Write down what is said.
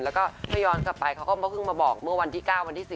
แล้วก็ถ้าย้อนกลับไปเขาก็เพิ่งมาบอกเมื่อวันที่๙วันที่๔